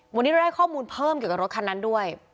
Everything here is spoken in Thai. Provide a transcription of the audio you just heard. วันนี้เราได้ข้อมูลเพิ่มเกี่ยวกับรถคันนั้นด้วย